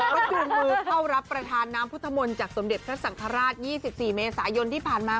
วันจุดมือเข้ารับประธานน้ำพุทธมนตร์จากสมเด็จทัศนธรรมราช๒๔เมษายนที่ผ่านมา